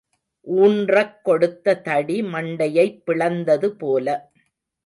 ஊன்றக் கொடுத்த தடி மண்டையைப் பிளந்தது போல.